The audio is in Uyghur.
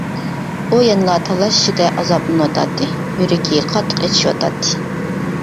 ئۇ يەنىلا تاللاش ئىچىدە ئازابلىنىۋاتاتتى، يۈرىكى قاتتىق ئېچىشىۋاتاتتى.